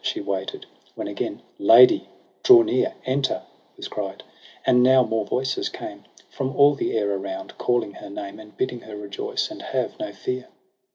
She waited : when again Sails, ^"^^to ntax ; lEntct t was cried j and now more voices came From all the air around calling her name. And bidding her rejoice and have no fear.